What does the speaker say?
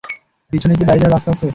পিছনে কি বাইরে যাওয়ার রাস্তা আছে?